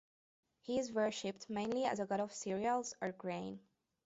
He is worshiped mainly as a god of cereals or grain.